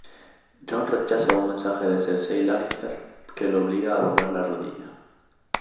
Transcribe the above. Jon rechaza un mensaje de Cersei Lannister que lo obliga a doblar la rodilla.